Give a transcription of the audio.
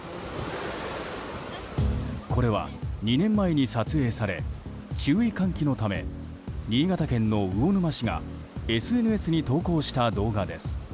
これは２年前に撮影され注意喚起のため新潟県の魚沼市がＳＮＳに投稿した動画です。